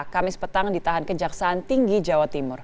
kamis petang ditahan kejaksaan tinggi jawa timur